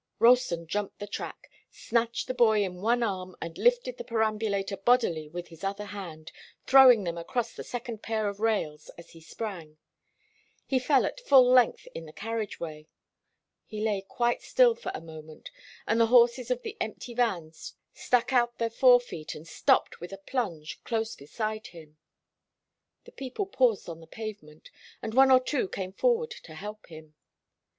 Ralston jumped the track, snatched the boy in one arm and lifted the perambulator bodily with his other hand, throwing them across the second pair of rails as he sprang. He fell at full length in the carriage way. He lay quite still for a moment, and the horses of the empty van stuck out their fore feet and stopped with a plunge close beside him. The people paused on the pavement, and one or two came forward to help him.